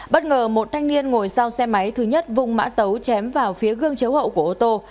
bất ngờ một thanh niên ngồi sau xe máy thứ nhất vung mã tấu chém vào phía gương chếu hậu của ô tô